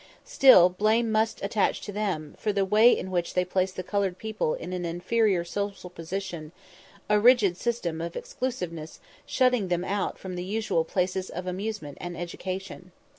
Still, blame must attach to them for the way in which they place the coloured people in an inferior social position, a rigid system of exclusiveness shutting them out from the usual places of amusement and education.